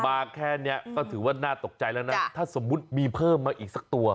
แค่นี้ก็ถือว่าน่าตกใจแล้วนะถ้าสมมุติมีเพิ่มมาอีกสักตัว